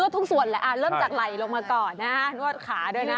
ทุกส่วนแหละเริ่มจากไหลลงมาก่อนนะนวดขาด้วยนะ